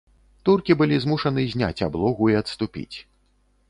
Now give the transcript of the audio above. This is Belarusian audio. Туркі былі змушаны зняць аблогу і адступіць.